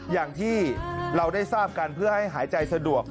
อย่างที่เราได้ทราบกันเพื่อให้หายใจสะดวก